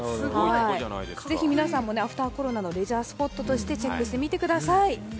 ぜひ皆さんも、アフター・コロナのレジャースポットとしてチェックしてみてください。